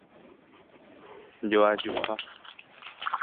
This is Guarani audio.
Joajuha